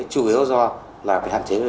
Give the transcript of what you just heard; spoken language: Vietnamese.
chủ yếu do hạn chế